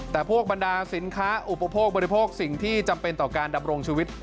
แต่พวกบรรดาสินค้าอุปโภคบริโภคสิ่งที่จำเป็นต่อการดำรงชีวิต